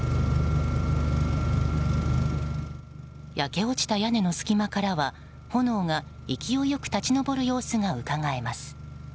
焼け落ちた屋根の隙間からは炎が勢いよく立ち上る様子がうかがえます。